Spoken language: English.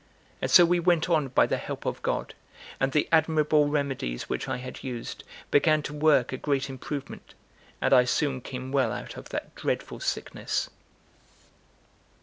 And so we went on by the help of God: and the admirable remedies which I had used began to work a great improvement, and I soon came well out of that dreadful sickness.